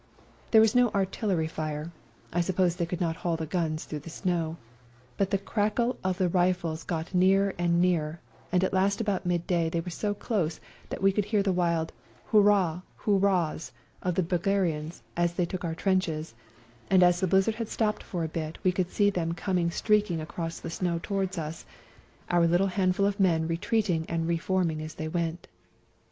There was no artillery fire (I suppose they could not haul the guns through the snow), but the crackle of the rifles got nearer and nearer, and at last about midday they were so close that we could hear the wild " Hourrah, Hourrahs " of the Bulgarians as they took our trenches, and as the blizzard had stopped for a bit we could see them coming streaking across the snow towards us, oiu* little handful of men retreating and reforming as they went.